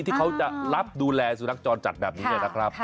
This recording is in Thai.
ที่เขาจะรับดูแลสุนัขจรจัดแบบนี้นะครับ